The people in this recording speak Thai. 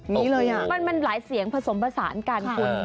มันมีหลายเสียงผสมผสานกันค่ะ